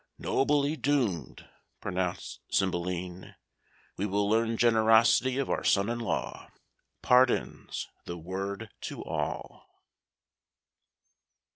"Nobly doomed!" pronounced Cymbeline. "We will learn generosity of our son in law. Pardon's the word to all."